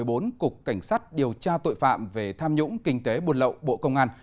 điều một mươi bốn cục cảnh sát điều tra tội phạm về tham nhũng kinh tế buôn lậu bộ công an